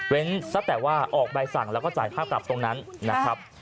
เว้นสักแต่ว่าออกใบสั่งแล้วก็จ่ายภาพตับตรงนั้นนะครับ